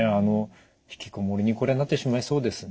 引きこもりにこれはなってしまいそうですよね。